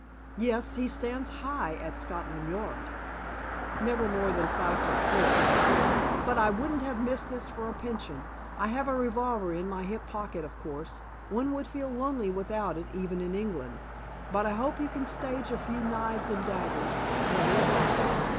"Yes. He stands high at Scotland Yard." "Never more than five feet four, I'll swear. But I wouldn't have missed this for a pension. I have a revolver in my hip pocket, of course. One would feel lonely without it, even in England. But I hope you can stage a few knives and daggers, and a red light.